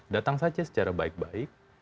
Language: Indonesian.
datang saja secara baik baik